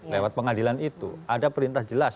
lewat pengadilan itu ada perintah jelas